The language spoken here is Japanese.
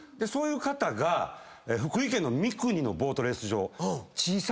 そういう方が福井県の三国のボートレース場。